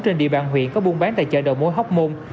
trên địa bàn huyện có buôn bán tại chợ đầu mối hóc môn